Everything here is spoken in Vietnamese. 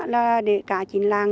là để cả chín làng